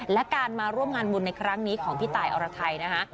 และการมาร่วมงานบุญในครั้งนี้ของพี่ตายอรไทยนะคะ